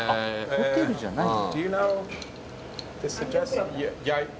ホテルじゃないんだ。